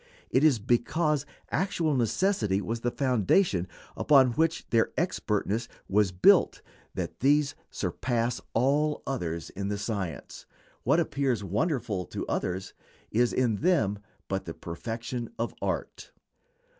It is because actual necessity was the foundation upon which their expertness was built that these surpass all others in the science. What appears wonderful to others is in them but the perfection of art.